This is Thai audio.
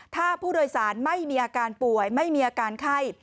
ถ้าผู้โดยสารไม่มีอาการป่วยไม่มีอาการไข้